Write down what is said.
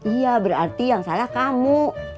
iya berarti yang salah kamu